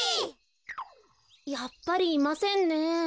やっぱりいませんね。